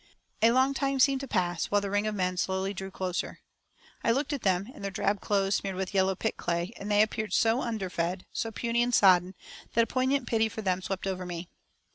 A long time seemed to pass, while the ring of men slowly drew closer. I looked at them, in their drab clothes smeared with yellow pit clay, and they appeared so underfed, so puny and sodden, that a poignant pity for them swept over me.